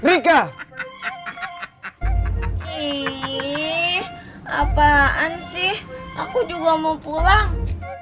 ih apaan sih aku juga mau pulang